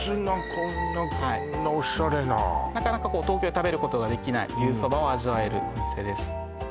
こんなこんなオシャレななかなかこう東京で食べることができない牛そばを味わえるお店です